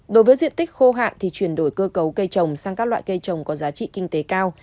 đối với diện tích khô hạn thì chuyển đổi cơ cấu cây trồng sang các loại cây trồng có giá trị kinh tế cao